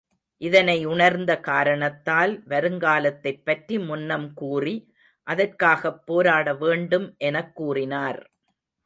இதனை உணர்ந்த காரணத்தால், வருங்காலத்தைப்பற்றி முன்னம் கூறி அதற்காகப் போராட வேண்டும் எனக் கூறினார்.